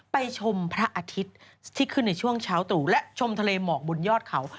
ชมพระอาทิตย์ที่ขึ้นในช่วงเช้าตรู่และชมทะเลหมอกบนยอดเขา